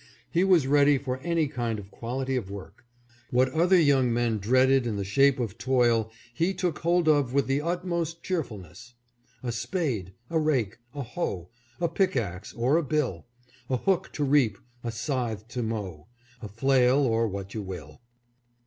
He was ready for any kind and quality of work. What other young men dreaded in the shape of toil he took hold of with the utmost cheerfulness. A spade, a rake, a hoe, A pick ax, or a bill ; A hook to reap, a scythe to mow, A flail, or what you will.